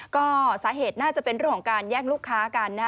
ก็สาเหตุน่าจะเป็นต้นของการแยกลูกค้ากัน